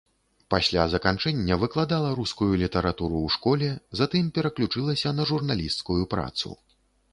Пасля заканчэння выкладала рускую літаратуру ў школе, затым пераключылася на журналісцкую працу.